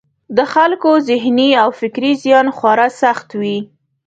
د خلکو ذهني او فکري زیان خورا سخت وي.